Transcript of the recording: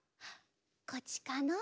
こっちかの？